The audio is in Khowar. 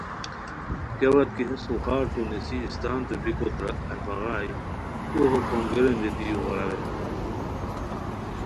کیاوت کی ہیس اُخارتو نیسی اِستانتو بیکوت اہی بغائے تو ہو کھونگیرین دیتی یو غیراوے